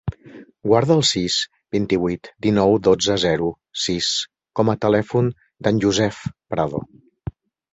Guarda el sis, vint-i-vuit, dinou, dotze, zero, sis com a telèfon del Yousef Prado.